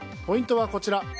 ポイントは、こちら。